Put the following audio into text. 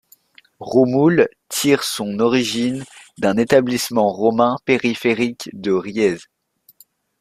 Roumoules tire son origine d’un établissement romain périphérique de Riez.